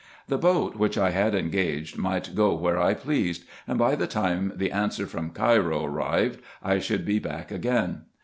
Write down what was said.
The boat which I had engaged might go where I pleased ; and, by the time the answer from Cairo arrived, I should be back again.